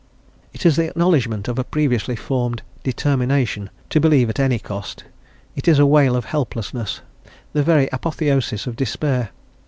It is the acknowledgment of a previously formed determination to believe at any cost; it is a wail of helplessness; the very apotheosis of despair.